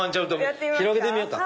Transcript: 広げてみようか。